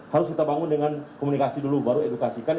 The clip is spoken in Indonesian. harus kita bangun dengan komunikasi dulu baru edukasikan